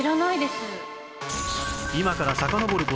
今からさかのぼる事